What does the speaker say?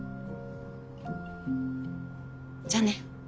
じゃあね。